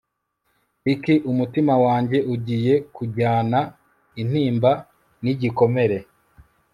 Ricky umutima wanjye ugiye kujyana intimba nigikomere